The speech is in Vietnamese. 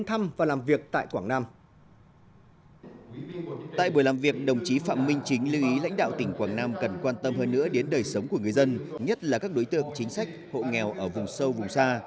tại buổi làm việc đồng chí phạm minh chính lưu ý lãnh đạo tỉnh quảng nam cần quan tâm hơn nữa đến đời sống của người dân nhất là các đối tượng chính sách hộ nghèo ở vùng sâu vùng xa